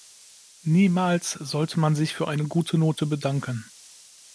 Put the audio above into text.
Niemals sollte man sich für eine gute Note bedanken.